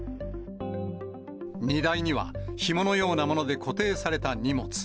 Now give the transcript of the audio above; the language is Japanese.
荷台には、ひものようなもので固定された荷物。